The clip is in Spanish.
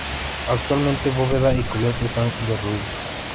Actualmente, bóveda y cubierta están derruidas.